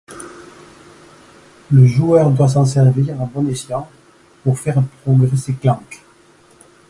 Le joueur doit s'en servir à bon escient pour faire progresser Clank.